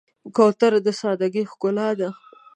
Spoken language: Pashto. کوتره د سادګۍ ښکلا ده.